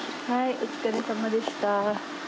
お疲れさまでした。